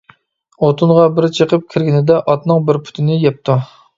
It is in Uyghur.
ئوتۇنغا بىر چىقىپ كىرگىنىدە، ئاتنىڭ بىر پۇتىنى يەپتۇ.